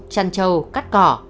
chăn trầu cắt cỏ